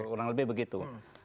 kurang lebih begitu